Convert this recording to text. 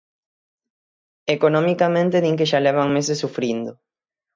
Economicamente din que xa levan meses sufrindo.